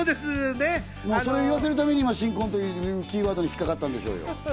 それ言わせるために「新婚」っていうキーワードにひっかかったんでしょうよ。